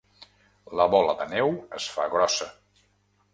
La bola de neu es fa grossa.